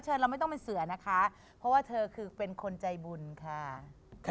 เราไม่ต้องเป็นเสือนะคะเพราะว่าเธอคือเป็นคนใจบุญค่ะ